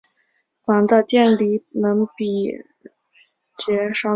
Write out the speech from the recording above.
钫的电离能比铯稍高。